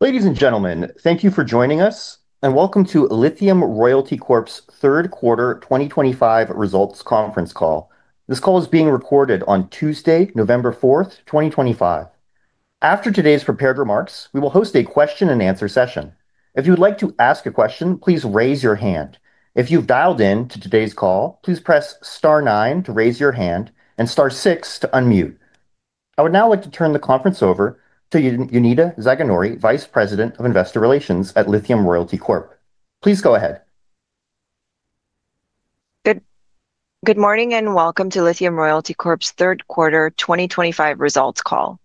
Ladies and gentlemen, thank you for joining us, and welcome to Lithium Royalty Corp's Third Quarter 2025 Results Conference Call. This call is being recorded on Tuesday, November 4th, 2025. After today's prepared remarks, we will host a question-and-answer session. If you would like to ask a question, please raise your hand. If you've dialed in to today's call, please press star nine to raise your hand and star six to unmute. I would now like to turn the conference over to Jonida Zaganjori, Vice President of Investor Relations at Lithium Royalty Corp. Please go ahead. Good morning and welcome to Lithium Royalty Corp's Third Quarter 2025 Results Call.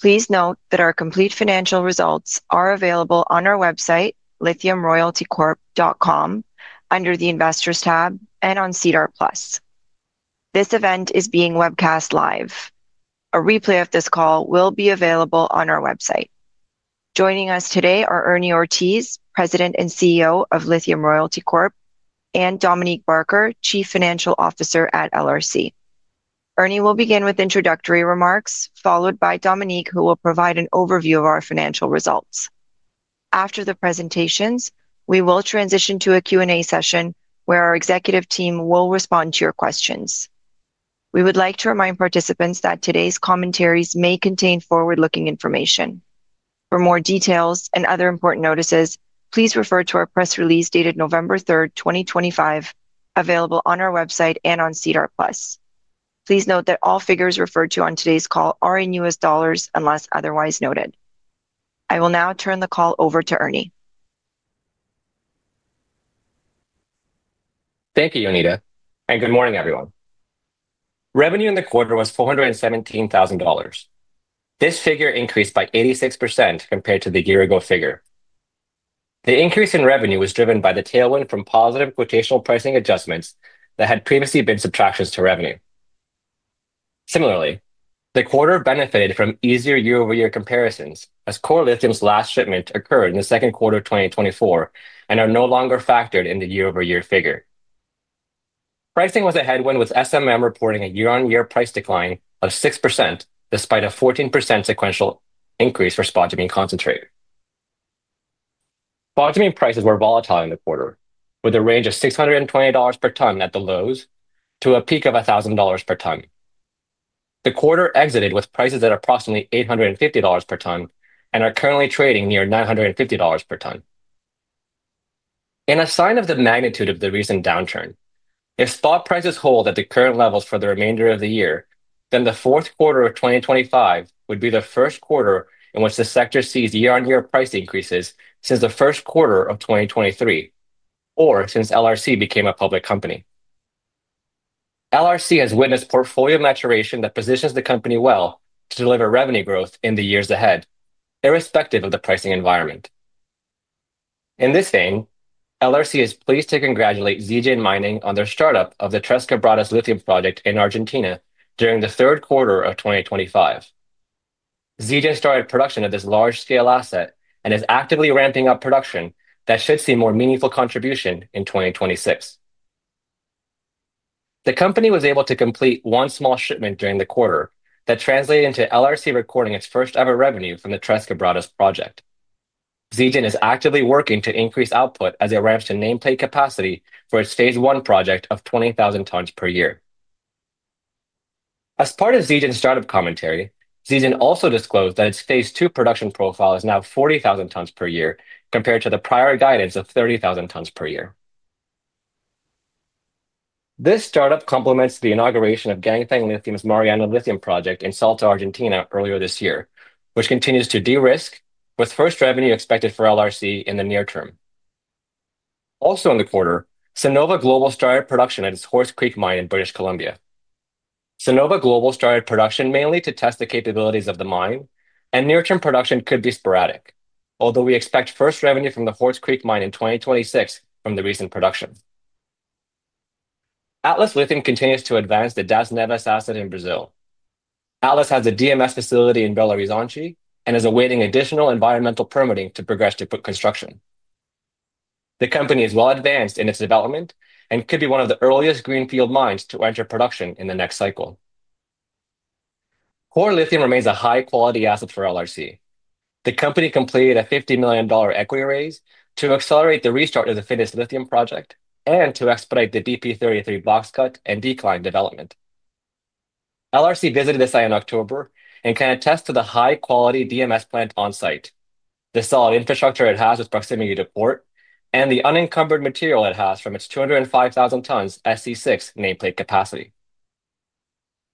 Please note that our complete financial results are available on our website, Lithiumroyaltycorp.com, under the Investors tab, and on SEDAR+. This event is being webcast live. A replay of this call will be available on our website. Joining us today are Ernie Ortiz, President and CEO of Lithium Royalty Corp, and Dominique Barker, Chief Financial Officer at LRC. Ernie will begin with introductory remarks, followed by Dominique, who will provide an overview of our financial results. After the presentations, we will transition to a Q&A session where our executive team will respond to your questions. We would like to remind participants that today's commentaries may contain forward-looking information. For more details and other important notices, please refer to our press release dated November 3rd, 2025, available on our website and on SEDAR+. Please note that all figures referred to on today's call are in U.S. dollars unless otherwise noted. I will now turn the call over to Ernie. Thank you, Jonida, and good morning, everyone. Revenue in the quarter was $417,000. This figure increased by 86% compared to the year-ago figure. The increase in revenue was driven by the tailwind from positive quotational pricing adjustments that had previously been subtractions to revenue. Similarly, the quarter benefited from easier year-over-year comparisons as Core Lithium's last shipment occurred in the second quarter of 2024 and are no longer factored in the year-over-year figure. Pricing was a headwind, with SMM reporting a year-on-year price decline of 6% despite a 14% sequential increase for spodumene concentrate. Spodumene prices were volatile in the quarter, with a range of $620 per ton at the lows to a peak of $1,000 per ton. The quarter exited with prices at approximately $850 per ton and are currently trading near $950 per ton. In a sign of the magnitude of the recent downturn, if spot prices hold at the current levels for the remainder of the year, then the fourth quarter of 2025 would be the first quarter in which the sector sees year-on-year price increases since the first quarter of 2023. Or since LRC became a public company. LRC has witnessed portfolio maturation that positions the company well to deliver revenue growth in the years ahead, irrespective of the pricing environment. In this vein, LRC is pleased to congratulate Zijin Mining on their startup of the Tres Quebradas lithium project in Argentina during the third quarter of 2025. Zijin started production of this large-scale asset and is actively ramping up production that should see more meaningful contribution in 2026. The company was able to complete one small shipment during the quarter that translated into LRC recording its first-ever revenue from the Tres Quebradas project. Zijin is actively working to increase output as it ramps to nameplate capacity for its Phase 1 project of 20,000 tons per year. As part of Zijin's startup commentary, Zijin also disclosed that its Phase 2 production profile is now 40,000 tons per year compared to the prior guidance of 30,000 tons per year. This startup complements the inauguration of Ganfeng Lithium's Mariana Lithium project in Salta, Argentina, earlier this year, which continues to de-risk, with first revenue expected for LRC in the near term. Also in the quarter, Sinova Global started production at its Horse Creek mine in British Columbia. Sinova Global started production mainly to test the capabilities of the mine, and near-term production could be sporadic, although we expect first revenue from the Horse Creek mine in 2026 from the recent production. Atlas Lithium continues to advance the Das Neves asset in Brazil. Atlas has a DMS facility in Belo Horizonte and is awaiting additional environmental permitting to progress to construction. The company is well advanced in its development and could be one of the earliest greenfield mines to enter production in the next cycle. Core Lithium remains a high-quality asset for LRC. The company completed a $50 million equity raise to accelerate the restart of the Finniss lithium project and to expedite the DP-33 box cut and decline development. LRC visited the site in October and can attest to the high-quality DMS plant on site, the solid infrastructure it has with proximity to port, and the unencumbered material it has from its 205,000 tons SC6 nameplate capacity.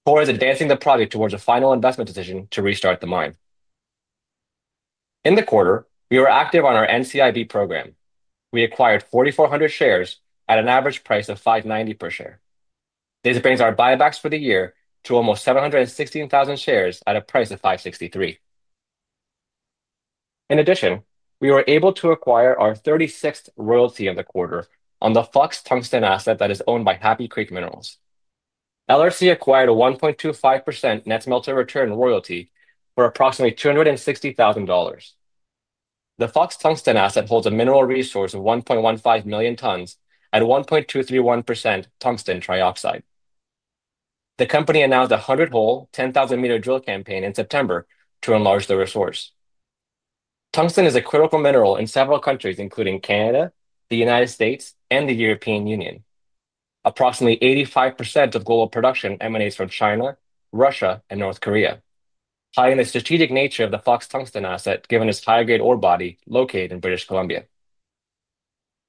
Core is advancing the project towards a final investment decision to restart the mine. In the quarter, we were active on our NCIB program. We acquired 4,400 shares at an average price of $5.90 per share. This brings our buybacks for the year to almost 716,000 shares at a price of $5.63. In addition, we were able to acquire our 36th royalty of the quarter on the Fox Tungsten asset that is owned by Happy Creek Minerals. LRC acquired a 1.25% net smelter return royalty for approximately $260,000. The Fox Tungsten asset holds a mineral resource of 1.15 million tons and 1.231% tungsten trioxide. The company announced a 100-hole 10,000 m drill campaign in September to enlarge the resource. Tungsten is a critical mineral in several countries, including Canada, the United States, and the European Union. Approximately 85% of global production emanates from China, Russia, and North Korea, highlighting the strategic nature of the Fox Tungsten asset, given its high-grade ore body located in British Columbia.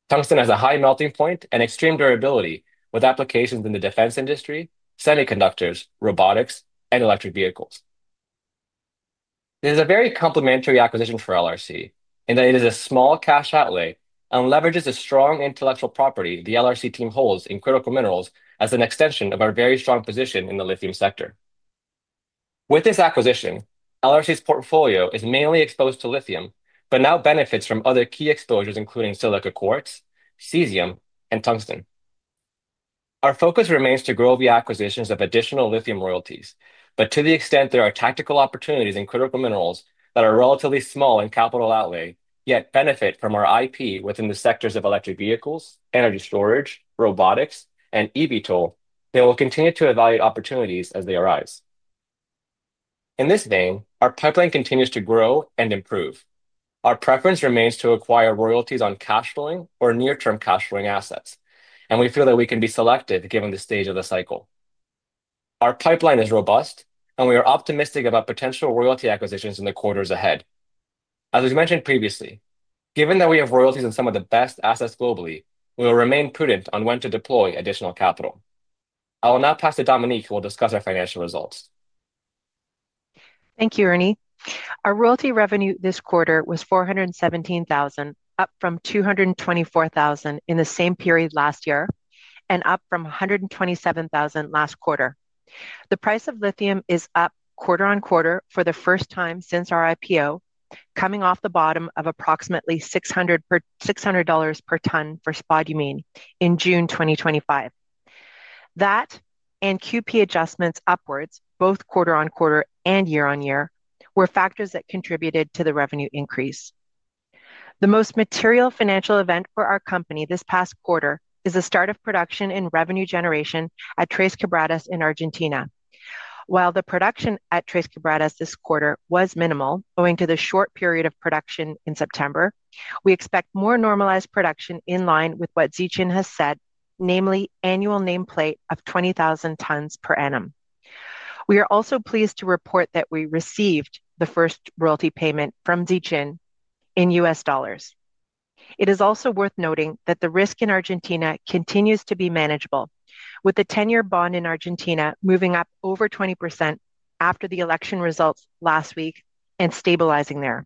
Tungsten has a high melting point and extreme durability, with applications in the defense industry, semiconductors, robotics, and electric vehicles. This is a very complementary acquisition for LRC in that it is a small cash outlay and leverages the strong intellectual property the LRC team holds in critical minerals as an extension of our very strong position in the lithium sector. With this acquisition, LRC's portfolio is mainly exposed to lithium but now benefits from other key exposures, including silica quartz, cesium, and tungsten. Our focus remains to grow the acquisitions of additional lithium royalties, but to the extent there are tactical opportunities in critical minerals that are relatively small in capital outlay yet benefit from our IP within the sectors of electric vehicles, energy storage, robotics, and eVTOL, they will continue to evaluate opportunities as they arise. In this vein, our pipeline continues to grow and improve. Our preference remains to acquire royalties on cash flowing or near-term cash flowing assets, and we feel that we can be selective given the stage of the cycle. Our pipeline is robust, and we are optimistic about potential royalty acquisitions in the quarters ahead. As we mentioned previously, given that we have royalties on some of the best assets globally, we will remain prudent on when to deploy additional capital. I will now pass to Dominique, who will discuss our financial results. Thank you, Ernie. Our royalty revenue this quarter was $417,000, up from $224,000 in the same period last year and up from $127,000 last quarter. The price of lithium is up quarter-on-quarter for the first time since our IPO, coming off the bottom of approximately $600 per ton for spodumene in June 2025. That and QP adjustments upwards, both quarter-on-quarter and year-on-year, were factors that contributed to the revenue increase. The most material financial event for our company this past quarter is the start of production and revenue generation at Tres Quebradas in Argentina. While the production at Tres Quebradas this quarter was minimal, owing to the short period of production in September, we expect more normalized production in line with what Zijin has said, namely annual nameplate of 20,000 tons per annum. We are also pleased to report that we received the first royalty payment from Zijin in U.S. dollars. It is also worth noting that the risk in Argentina continues to be manageable, with the 10-year bond in Argentina moving up over 20% after the election results last week and stabilizing there.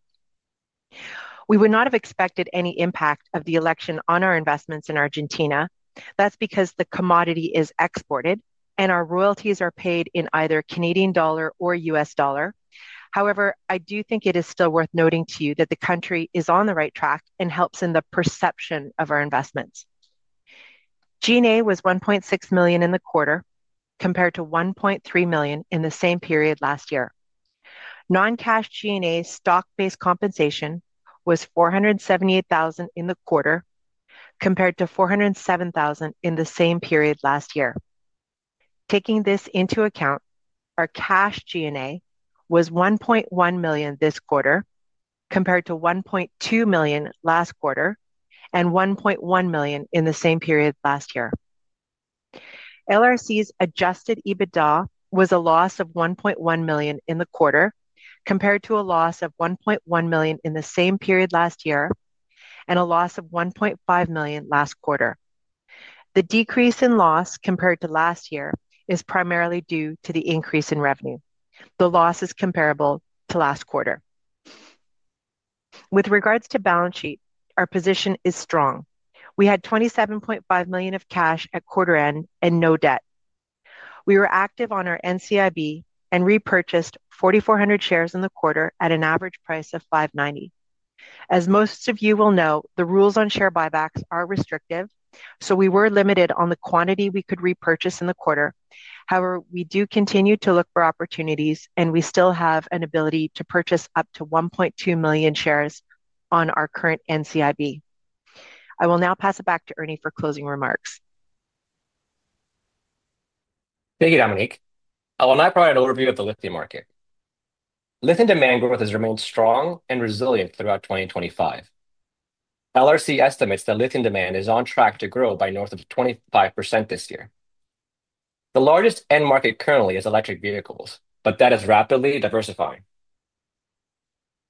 We would not have expected any impact of the election on our investments in Argentina. That's because the commodity is exported and our royalties are paid in either Canadian dollar or U.S. dollar. However, I do think it is still worth noting to you that the country is on the right track and helps in the perception of our investments. G&A was $1.6 million in the quarter compared to $1.3 million in the same period last year. Non-cash G&A stock-based compensation was $478,000 in the quarter compared to $407,000 in the same period last year. Taking this into account, our cash G&A was $1.1 million this quarter compared to $1.2 million last quarter and $1.1 million in the same period last year. LRC's Adjusted EBITDA was a loss of $1.1 million in the quarter compared to a loss of $1.1 million in the same period last year and a loss of $1.5 million last quarter. The decrease in loss compared to last year is primarily due to the increase in revenue. The loss is comparable to last quarter. With regards to balance sheet, our position is strong. We had $27.5 million of cash at quarter-end and no debt. We were active on our NCIB and repurchased 4,400 shares in the quarter at an average price of $5.90. As most of you will know, the rules on share buybacks are restrictive, so we were limited on the quantity we could repurchase in the quarter. However, we do continue to look for opportunities, and we still have an ability to purchase up to 1.2 million shares on our current NCIB. I will now pass it back to Ernie for closing remarks. Thank you, Dominique. I will now provide an overview of the lithium market. Lithium demand growth has remained strong and resilient throughout 2025. LRC estimates that lithium demand is on track to grow by north of 25% this year. The largest end market currently is electric vehicles, but that is rapidly diversifying.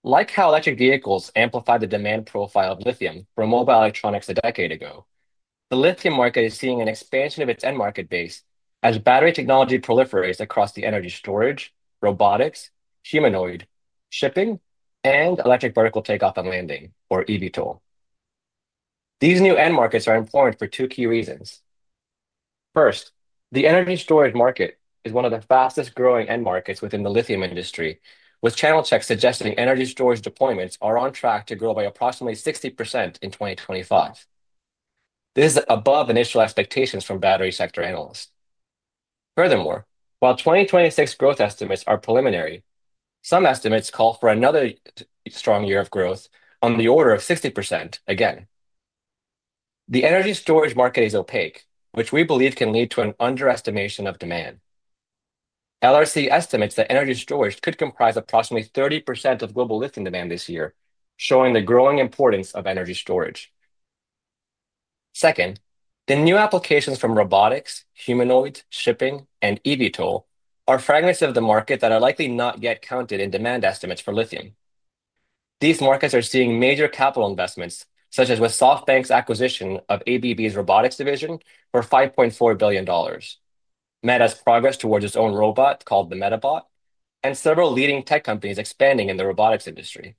Like how electric vehicles amplified the demand profile of lithium for mobile electronics a decade ago, the lithium market is seeing an expansion of its end market base as battery technology proliferates across the energy storage, robotics, humanoid, shipping, and electric vehicle takeoff and landing, or eVTOL. These new end markets are important for two key reasons. First, the energy storage market is one of the fastest-growing end markets within the lithium industry, with channel checks suggesting energy storage deployments are on track to grow by approximately 60% in 2025. This is above initial expectations from battery sector analysts. Furthermore, while 2026 growth estimates are preliminary, some estimates call for another strong year of growth on the order of 60% again. The energy storage market is opaque, which we believe can lead to an underestimation of demand. LRC estimates that energy storage could comprise approximately 30% of global lithium demand this year, showing the growing importance of energy storage. Second, the new applications from robotics, humanoid, shipping, and eVTOL are fragments of the market that are likely not yet counted in demand estimates for lithium. These markets are seeing major capital investments, such as with SoftBank's acquisition of ABB's robotics division for $5.4 billion, Meta's progress towards its own robot called the MetaBot, and several leading tech companies expanding in the robotics industry.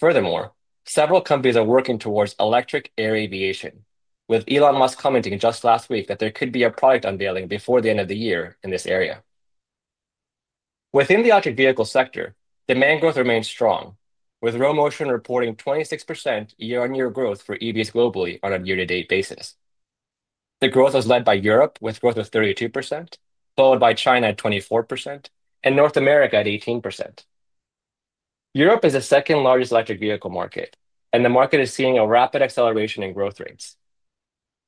Furthermore, several companies are working towards electric air aviation, with Elon Musk commenting just last week that there could be a product unveiling before the end of the year in this area. Within the electric vehicle sector, demand growth remains strong, with Rho Motion reporting 26% year-on-year growth for EVs globally on a year-to-date basis. The growth is led by Europe, with growth of 32%, followed by China at 24% and North America at 18%. Europe is the second-largest electric vehicle market, and the market is seeing a rapid acceleration in growth rates.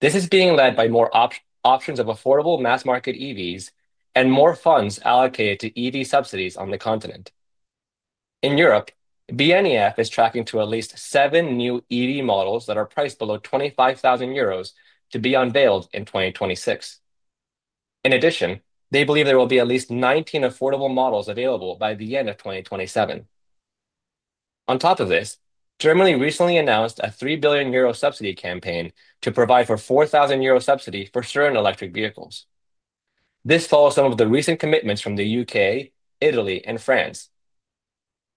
This is being led by more options of affordable mass-market EVs and more funds allocated to EV subsidies on the continent. In Europe, BNEF is tracking to at least seven new EV models that are priced below 25,000 euros to be unveiled in 2026. In addition, they believe there will be at least 19 affordable models available by the end of 2027. On top of this, Germany recently announced a 3 billion euro subsidy campaign to provide for a 4,000 euro subsidy for certain electric vehicles. This follows some of the recent commitments from the U.K., Italy, and France.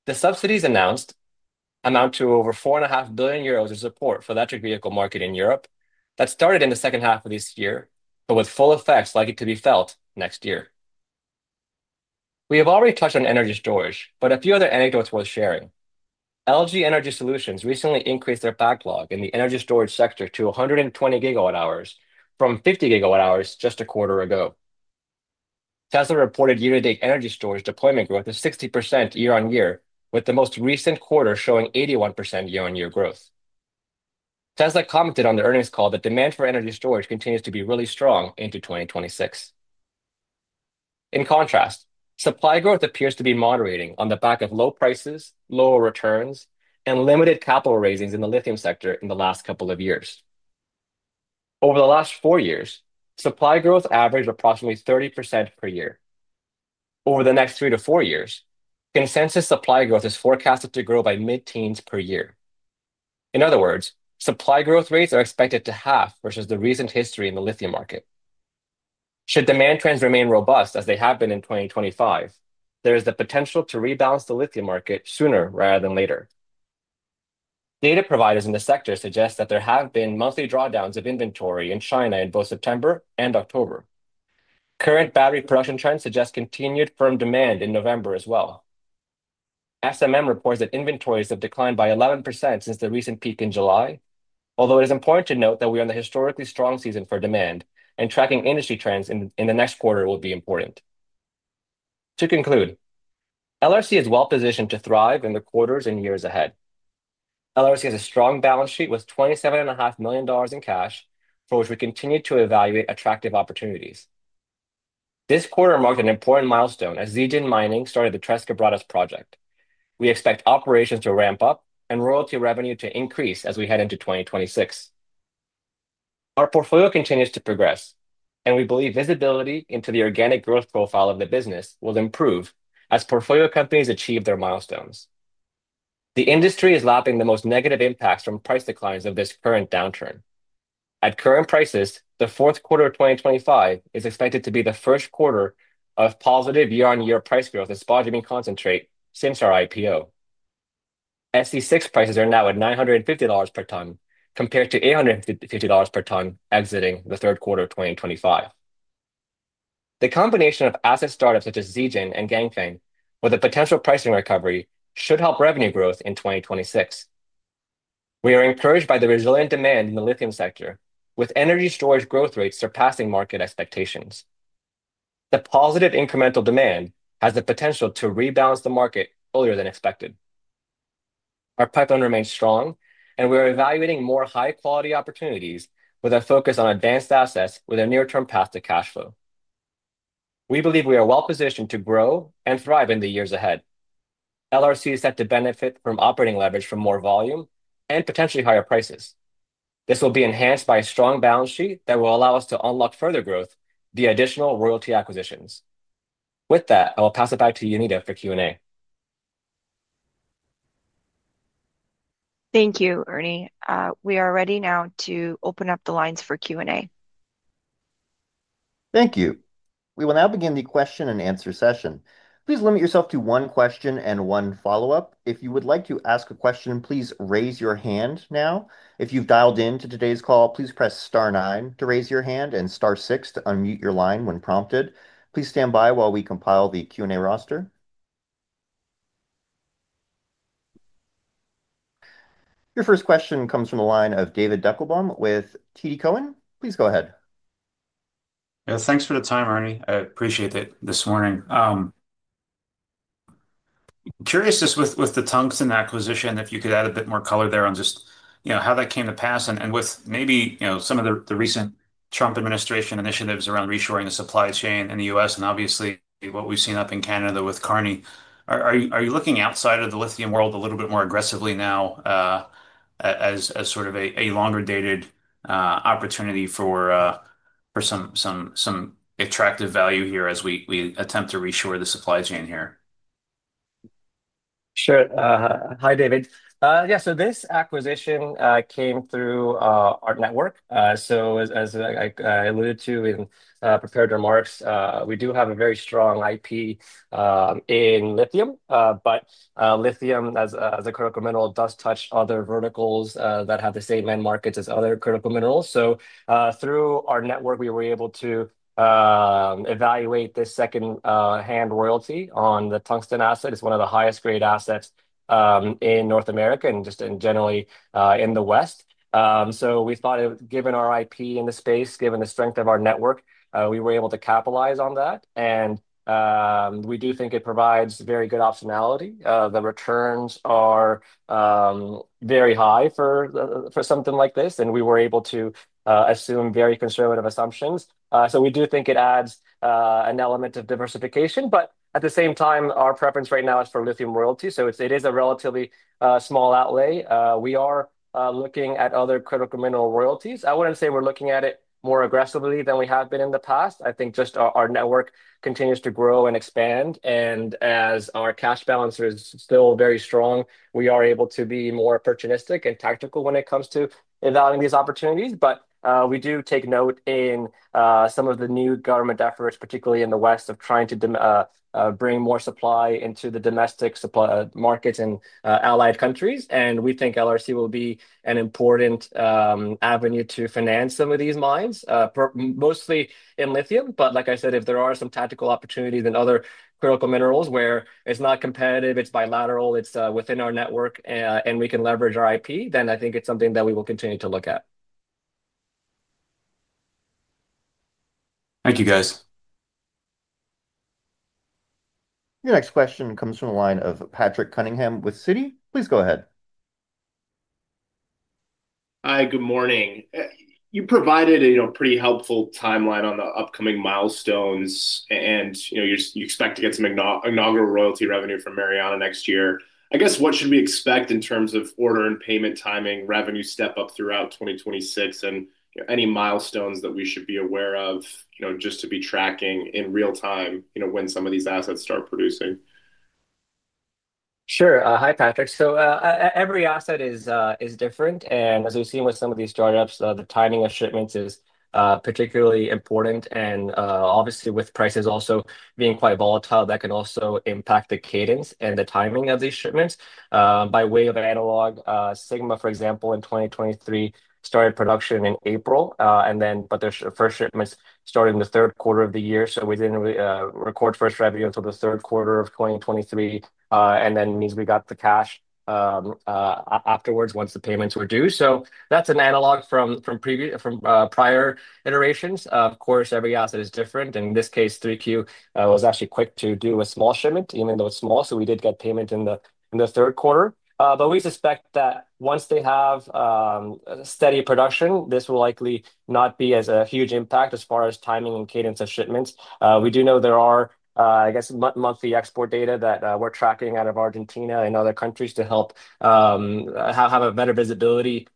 The subsidies announced amount to over 4.5 billion euros in support for the electric vehicle market in Europe that started in the second half of this year, but with full effects likely to be felt next year. We have already touched on energy storage, but a few other anecdotes worth sharing. LG Energy Solutions recently increased their backlog in the energy storage sector to 120 GW hours from 50 GW hours just a quarter ago. Tesla reported year-to-date energy storage deployment growth of 60% year-on-year, with the most recent quarter showing 81% year-on-year growth. Tesla commented on the earnings call that demand for energy storage continues to be really strong into 2026. In contrast, supply growth appears to be moderating on the back of low prices, lower returns, and limited capital raisings in the lithium sector in the last couple of years. Over the last four years, supply growth averaged approximately 30% per year. Over the next three to four years, consensus supply growth is forecasted to grow by mid-teens per year. In other words, supply growth rates are expected to half versus the recent history in the lithium market. Should demand trends remain robust as they have been in 2025, there is the potential to rebalance the lithium market sooner rather than later. Data providers in the sector suggest that there have been monthly drawdowns of inventory in China in both September and October. Current battery production trends suggest continued firm demand in November as well. SMM reports that inventories have declined by 11% since the recent peak in July, although it is important to note that we are in the historically strong season for demand, and tracking industry trends in the next quarter will be important. To conclude, LRC is well-positioned to thrive in the quarters and years ahead. LRC has a strong balance sheet with $27.5 million in cash, for which we continue to evaluate attractive opportunities. This quarter marked an important milestone as Zijin Mining started the Tres Quebradas project. We expect operations to ramp up and royalty revenue to increase as we head into 2026. Our portfolio continues to progress, and we believe visibility into the organic growth profile of the business will improve as portfolio companies achieve their milestones. The industry is lapping the most negative impacts from price declines of this current downturn. At current prices, the fourth quarter of 2025 is expected to be the first quarter of positive year-on-year price growth in spodumene concentrate since our IPO. SC6 prices are now at $950 per ton compared to $850 per ton exiting the third quarter of 2025. The combination of asset startups such as Zijin and Ganfeng, with a potential pricing recovery, should help revenue growth in 2026. We are encouraged by the resilient demand in the lithium sector, with energy storage growth rates surpassing market expectations. The positive incremental demand has the potential to rebalance the market earlier than expected. Our pipeline remains strong, and we are evaluating more high-quality opportunities with a focus on advanced assets with a near-term path to cash flow. We believe we are well-positioned to grow and thrive in the years ahead. LRC is set to benefit from operating leverage from more volume and potentially higher prices. This will be enhanced by a strong balance sheet that will allow us to unlock further growth via additional royalty acquisitions. With that, I will pass it back to Jonida for Q&A. Thank you, Ernie. We are ready now to open up the lines for Q&A. Thank you. We will now begin the question-and-answer session. Please limit yourself to one question and one follow-up. If you would like to ask a question, please raise your hand now. If you've dialed into today's call, please press star nine to raise your hand and star six to unmute your line when prompted. Please stand by while we compile the Q&A roster. Your first question comes from the line of David Deckelbaum with TD Cowen. Please go ahead. Thanks for the time, Ernie. I appreciate it this morning. Curious just with the Tungsten acquisition, if you could add a bit more color there on just how that came to pass and with maybe some of the recent Trump administration initiatives around reshoring the supply chain in the U.S. and obviously what we've seen up in Canada with Carney. Are you looking outside of the lithium world a little bit more aggressively now? As sort of a longer-dated opportunity for some attractive value here as we attempt to reshore the supply chain here? Sure. Hi, David. Yeah, so this acquisition came through our network. So as I alluded to in prepared remarks, we do have a very strong IP in lithium, but Lithium as a critical mineral does touch other verticals that have the same end markets as other critical minerals. So through our network, we were able to evaluate this second-hand royalty on the tungsten asset. It's one of the highest-grade assets in North America and just generally in the West. So we thought, given our IP in the space, given the strength of our network, we were able to capitalize on that. And we do think it provides very good optionality. The returns are very high for something like this, and we were able to assume very conservative assumptions. So we do think it adds an element of diversification, but at the same time, our preference right now is for lithium royalty. So it is a relatively small outlay. We are looking at other critical mineral royalties. I wouldn't say we're looking at it more aggressively than we have been in the past. I think just our network continues to grow and expand. And as our cash balance is still very strong, we are able to be more opportunistic and tactical when it comes to evaluating these opportunities. But we do take note in some of the new government efforts, particularly in the West, of trying to bring more supply into the domestic markets in allied countries. And we think LRC will be an important avenue to finance some of these mines, mostly in lithium. But like I said, if there are some tactical opportunities in other critical minerals where it's not competitive, it's bilateral, it's within our network, and we can leverage our IP, then I think it's something that we will continue to look at. Thank you, guys. Your next question comes from the line of Patrick Cunningham with Citi. Please go ahead. Hi, good morning. You provided a pretty helpful timeline on the upcoming milestones, and you expect to get some inaugural royalty revenue from Mariana next year. I guess, what should we expect in terms of order and payment timing, revenue step-up throughout 2026, and any milestones that we should be aware of just to be tracking in real time when some of these assets start producing? Sure. Hi, Patrick. So every asset is different. And as we've seen with some of these startups, the timing of shipments is particularly important. And obviously, with prices also being quite volatile, that can also impact the cadence and the timing of these shipments. By way of analog, Sigma, for example, in 2023, started production in April, but their first shipments started in the third quarter of the year. So we didn't record first revenue until the third quarter of 2023, and that means we got the cash afterwards, once the payments were due. So that's an analog from prior iterations. Of course, every asset is different. In this case, 3Q was actually quick to do a small shipment, even though it's small. So we did get payment in the third quarter. But we suspect that once they have steady production, this will likely not be as a huge impact as far as timing and cadence of shipments. We do know there are, I guess, monthly export data that we're tracking out of Argentina and other countries to help have a better visibility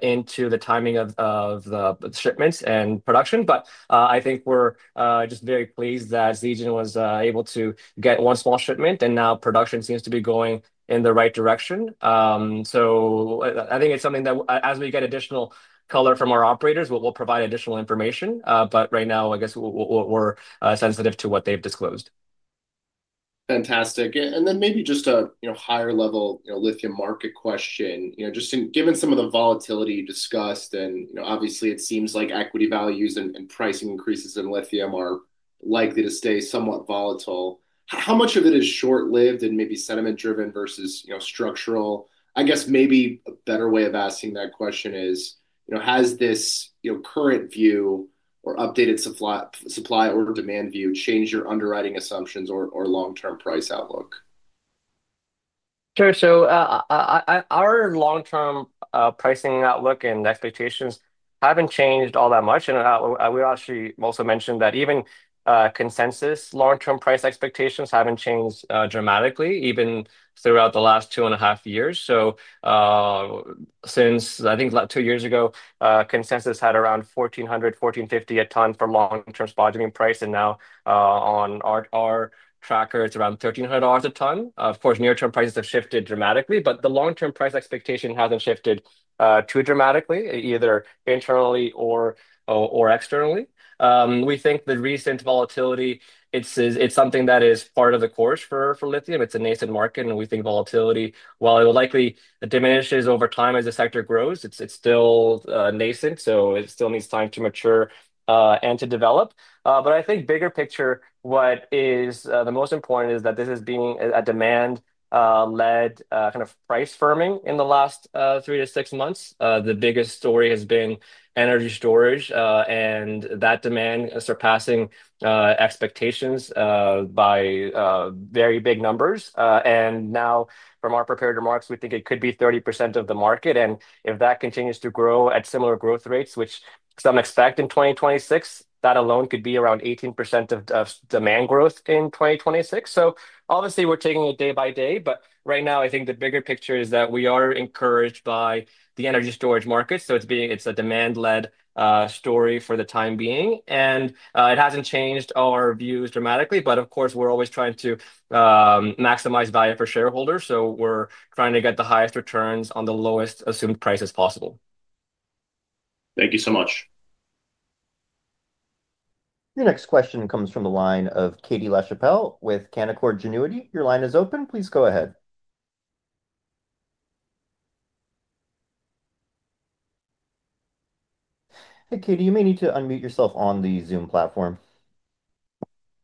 into the timing of the shipments and production. But I think we're just very pleased that Zijin was able to get one small shipment, and now production seems to be going in the right direction. So I think it's something that, as we get additional color from our operators, we'll provide additional information. But right now, I guess we're sensitive to what they've disclosed. Fantastic. And then maybe just a higher-level lithium market question. Just given some of the volatility you discussed, and obviously, it seems like equity values and pricing increases in lithium are likely to stay somewhat volatile. How much of it is short-lived and maybe sentiment-driven versus structural? I guess maybe a better way of asking that question is, has this current view or updated supply or demand view changed your underwriting assumptions or long-term price outlook? Sure. So. Our long-term pricing outlook and expectations haven't changed all that much. And we actually also mentioned that even consensus long-term price expectations haven't changed dramatically, even throughout the last two and a half years. So. Since I think two years ago, consensus had around $1,400-$1,450 a ton for long-term spodumene price. And now, on our tracker, it's around $1,300 a ton. Of course, near-term prices have shifted dramatically, but the long-term price expectation hasn't shifted too dramatically, either internally or externally. We think the recent volatility; it's something that is part of the course for lithium. It's a nascent market, and we think volatility, while it will likely diminish over time as the sector grows, it's still nascent. So it still needs time to mature and to develop. But I think bigger picture, what is the most important is that this has been a demand-led kind of price firming in the last 3-6 months. The biggest story has been energy storage and that demand surpassing expectations by very big numbers. And now, from our prepared remarks, we think it could be 30% of the market. And if that continues to grow at similar growth rates, which some expect in 2026, that alone could be around 18% of demand growth in 2026. So obviously, we're taking it day by day. But right now, I think the bigger picture is that we are encouraged by the energy storage market. So it's a demand-led story for the time being. And it hasn't changed our views dramatically. But of course, we're always trying to maximize value for shareholders. So we're trying to get the highest returns on the lowest assumed prices possible. Thank you so much. Your next question comes from the line of Katie Lachapelle with Canaccord Genuity. Your line is open. Please go ahead. Hey, Katie, you may need to unmute yourself on the Zoom platform.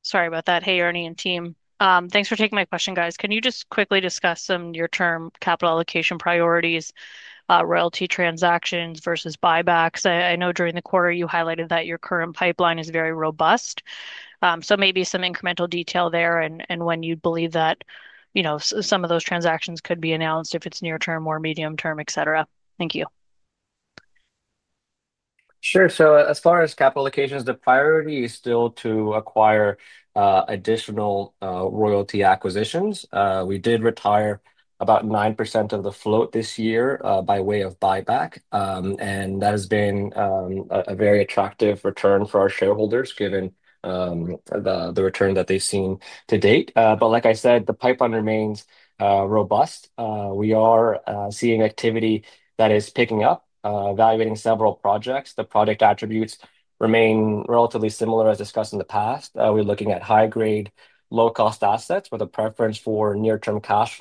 Sorry about that. Hey, Ernie and team. Thanks for taking my question, guys. Can you just quickly discuss some near-term capital allocation priorities, royalty transactions versus buybacks? I know during the quarter, you highlighted that your current pipeline is very robust. So maybe some incremental detail there and when you'd believe that. Some of those transactions could be announced if it's near-term or medium-term, et cetera. Thank you. Sure. So as far as capital allocations, the priority is still to acquire additional royalty acquisitions. We did retire about 9% of the float this year by way of buyback. And that has been a very attractive return for our shareholders, given the return that they've seen to date. But like I said, the pipeline remains robust. We are seeing activity that is picking up, evaluating several projects. The project attributes remain relatively similar, as discussed in the past. We're looking at high-grade, low-cost assets with a preference for near-term cash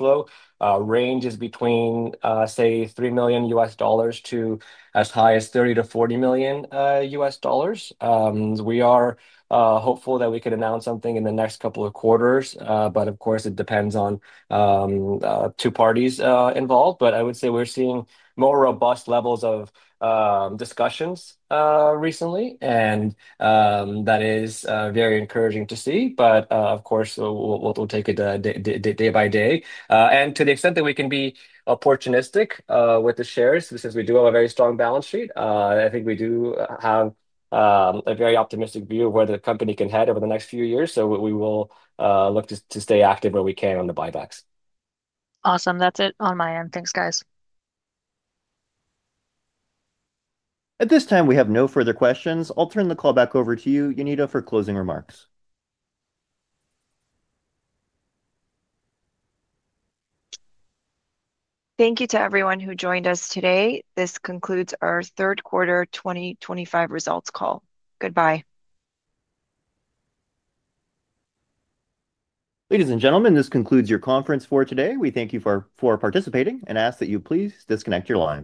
flow ranges between, say, $3 million to as high as $30 million-$40 million. We are hopeful that we can announce something in the next couple of quarters. But of course, it depends on two parties involved. But I would say we're seeing more robust levels of discussions recently. And that is very encouraging to see. But of course, we'll take it day by day. And to the extent that we can be opportunistic with the shares, since we do have a very strong balance sheet, I think we do have a very optimistic view of where the company can head over the next few years. So we will look to stay active where we can on the buybacks. Awesome. That's it on my end. Thanks, guys. At this time, we have no further questions. I'll turn the call back over to you, Jonida, for closing remarks. Thank you to everyone who joined us today. This concludes our third quarter 2025 results call. Goodbye. Ladies and gentlemen, this concludes your conference for today. We thank you for participating and ask that you please disconnect your lines.